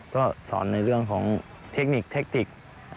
ก็สอนในเรื่องของเทคนิคเทคติก